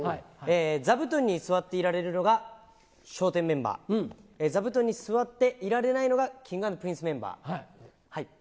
座布団に座っていられるのが笑点メンバー、座布団に座っていられないのがＫｉｎｇ＆Ｐｒｉｎｃｅメンバー。